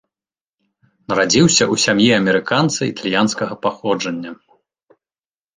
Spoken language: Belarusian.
Нарадзіўся ў сям'і амерыканца італьянскага паходжання.